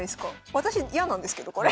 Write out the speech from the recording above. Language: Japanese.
私嫌なんですけどこれ。